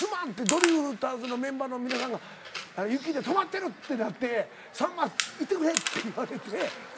ドリフターズのメンバーの皆さんが雪で止まってるってなって「さんま行ってくれ」って言われて。